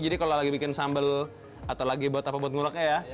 jadi kalau lagi bikin sambal atau lagi buat apa apa nguleknya ya